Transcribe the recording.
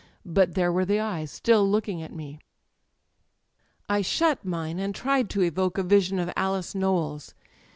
But there were the eyes still looking at me ... '^I shut mine, and tried to evoke a vision of Alice Nowell*s.